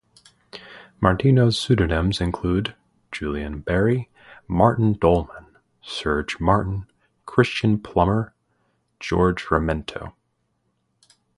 Martino's pseudonyms include: Julian Barry, Martin Dolman, Serge Martin, Christian Plummer, George Raminto.